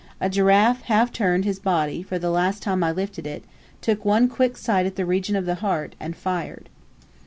A giraffe half turned his body; for the last time I lifted it, took one quick sight at the region of the heart, and fired.